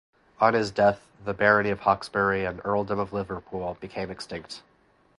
On his death the Barony of Hawkesbury and Earldom of Liverpool became extinct.